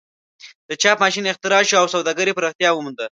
د چاپ ماشین اختراع شو او سوداګري پراختیا ومونده.